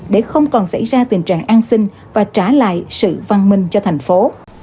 để không còn xảy ra tình trạng ăn xin và trả lại sự văn minh cho thành phố